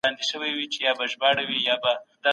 محصل هره ورځ نوي مهارتونه زده کوي.